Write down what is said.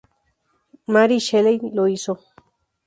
Mary Shelley lo hizo.